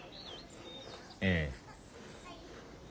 ええ。